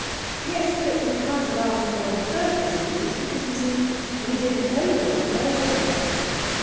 'Yes, but he can't have asked them on purpose, Bruce, because, you see, we didn't know him on Thursday.'